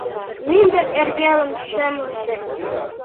МӰНДЫР ЭРВЕЛЫМ ШЫМЛЫШЕ